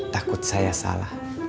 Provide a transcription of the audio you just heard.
takut saya salah